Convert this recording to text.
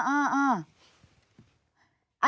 อ่า